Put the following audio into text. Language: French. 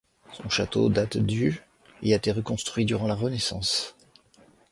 Son château date du et a été reconstruit durant la Renaissance.